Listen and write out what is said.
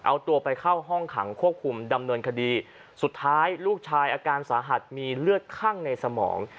เอาตัวไปเข้าห้องขังควบคุมดำเนินคดีสุดท้ายลูกชายอาการสาหัสมีเลือดคั่งในสมอง